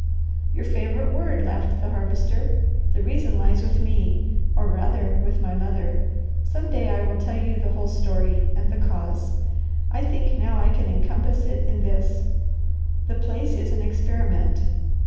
"Your favourite word," laughed the Harvester. "The reason lies with me, or rather with my mother. Some day I will tell you the whole story, and the cause. I think now I can encompass it in this. The place is an experiment.